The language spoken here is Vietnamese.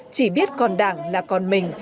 chỉ biết còn đảng là còn mình